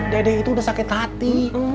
dedek itu udah sakit hati